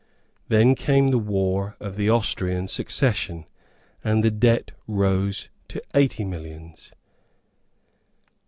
Then came the war of the Austrian Succession; and the debt rose to eighty millions.